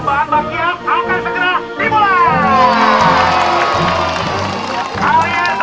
pembangunan bagian angka segera dimulai